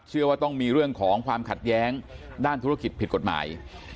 เชื่อว่าต้องมีเรื่องของความขัดแย้งด้านธุรกิจผิดกฎหมาย